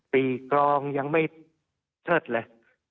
ปีกรองยังไม่เชิดเลย